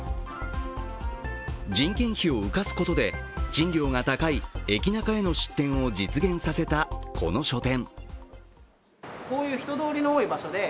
人件費を浮かすことで、賃料が高い駅ナカへの出店を実現させたこの書店。